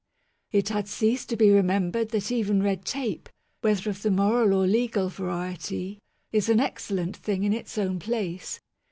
It had ceased to be remembered that even red tape, whether of the moral or legal variety, is an excellent thing in its own place.